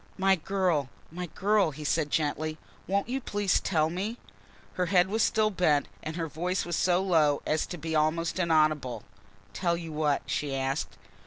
"My girl, my girl," he said gently. "Won't you please tell me?" Her head was still bent and her voice was so low as to be almost inaudible. "Tell you what?" she asked.